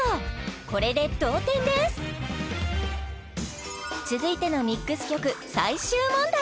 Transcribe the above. これで同点です続いてのミックス曲最終問題